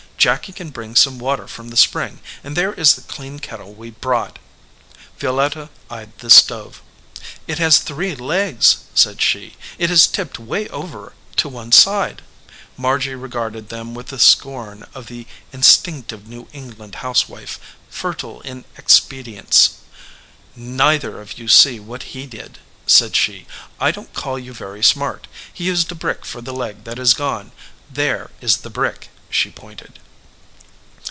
Jacky can bring some water from the spring, and there is the clean kettle we brought." Violetta eyed the stove. "It has three legs," said she. "It is tipped way over to one side." Margy regarded them with the scorn of the in stinctive New England housewife, fertile in ex pedients. "Neither of you see what he did," said she. "I don t call you very smart. He used a brick for the leg that is gone. There is the brick," she pointed.